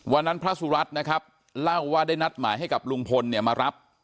พระสุรัตน์นะครับเล่าว่าได้นัดหมายให้กับลุงพลเนี่ยมารับ